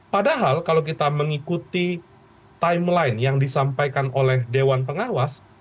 padahal kalau kita mengikuti timeline yang disampaikan oleh dewan pengawas